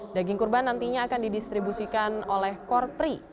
daging kurban nantinya akan didistribusikan oleh korpri